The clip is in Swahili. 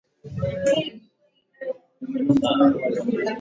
ninaondokana na hali ya uwazimu iliyosababishwa na madawa na naona faraja sasa